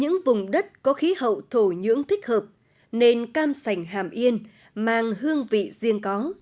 những vùng đất có khí hậu thổ nhưỡng thích hợp nên cam sành hàm yên mang hương vị riêng có